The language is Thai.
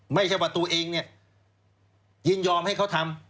ไม่ใช่ว่าตัวเองเนี่ยยินยอมให้เขาทำ